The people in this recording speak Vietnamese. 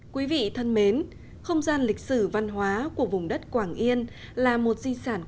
quý vị thân mến không gian lịch sử văn hóa của vùng đất quảng yên là một di sản quý báu của dân tộc